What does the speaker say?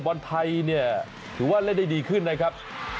บอลไทยเนี่ยถือว่าเล่นได้ดีขึ้นนะครับ